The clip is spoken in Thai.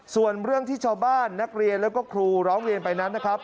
ส่วนเรื่องที่ชาวบ้านนักเรียนแล้วก็ครูร้องเรียนไปนั้นนะครับ